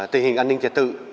tình hình an ninh trật tự